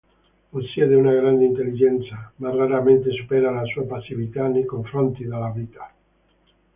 Possiede una grande intelligenza, ma raramente supera la sua passività nei confronti della vita.